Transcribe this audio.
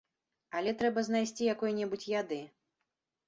Але трэба знайсці якой-небудзь яды.